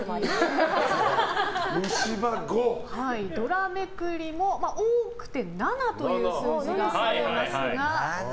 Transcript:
ドラめくりも多くて７という数字が見えますが。